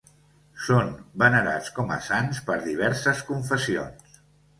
Són venerats com a sants per diverses confessions.